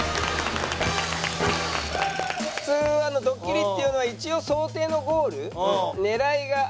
普通ドッキリっていうのは一応想定のゴール狙いがあるじゃない。